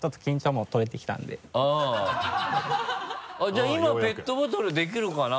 じゃあ今ペットボトルできるかな？